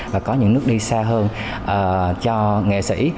và có những bước đi xa hơn cho nghệ sĩ